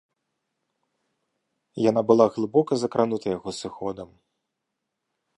Яна была глыбока закранута яго сыходам.